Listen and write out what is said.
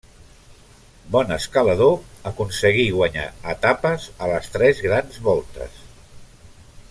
Bon escalador, aconseguí guanyar etapes a les tres Grans Voltes.